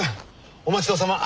お待ち遠さま。